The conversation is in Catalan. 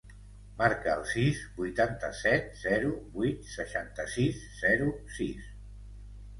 Marca el sis, vuitanta-set, zero, vuit, seixanta-sis, zero, sis.